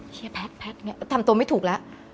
แพทย์อย่างเนี่ยทำตัวไม่ถูกแล้ว